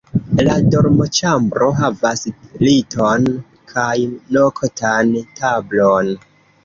La dormoĉambro havas liton kaj noktan tablon.